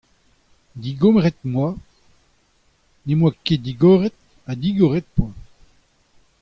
Digoret em boa, ne'm boa ket digoret, ha digoret ho poa.